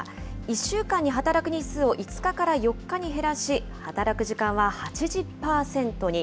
１週間に働く日数を５日から４日に減らし、働く時間は８０％に。